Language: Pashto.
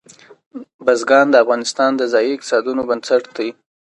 بزګان د افغانستان د ځایي اقتصادونو بنسټ دی.